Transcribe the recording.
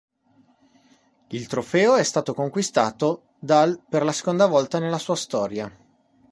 Il trofeo è stato conquistato dal per la seconda volta nella sua storia.